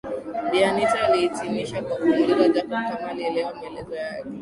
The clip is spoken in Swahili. Bi Anita alihitimisha kwa kumuuliza Jacob kama alielewa maelezo yake